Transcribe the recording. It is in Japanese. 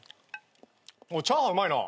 チャーハンうまいな。